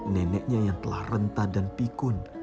neneknya yang telah rentah dan pikun